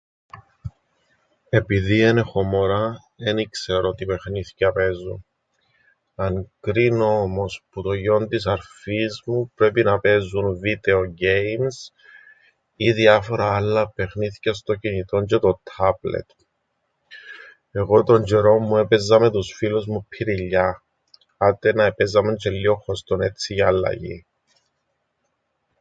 Επειδή εν έχω μωρά εν ι-ξέρω τι παιχνίθκια παίζουν. Αν κρίνω όμως που τον γιον της αρφής μου, πρέπει να παίζουν βίτεο κέιμς ή διάφορα άλλα παιχνίθκια στο κινητόν τζ̆αι το ττάπλετ. Εγώ τον τζ̆αιρόν μου έπαιζα με τους φίλους μου πιριλλιά. Άτε να επαίζαμεν τζ̆αι λλίον χωστόν έτσι για αλλαγήν.